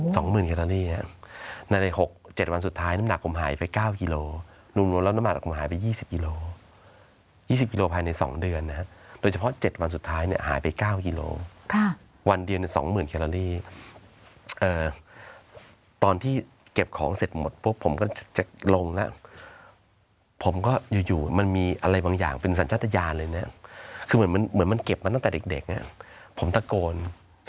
สองหมื่นแคลอรี่นะครับในหกเจ็ดวันสุดท้ายน้ำหนักผมหายไปเก้าฮิโรนูลวงแล้วน้ำหนักผมหายไปยี่สิบฮิโรนูลวงแล้วน้ำหนักผมหายไปยี่สิบฮิโรนูลวงแล้วน้ำหนักผมหายไปยี่สิบฮิโรนูลวงแล้วน้ำหนักผมหายไปยี่สิบฮิโรนูลวงแล้วน้ำหนักผมหายไปยี่สิบฮิโรนูลวงแล้วน้ำหนักผมหายไปยี่สิบฮิโรนู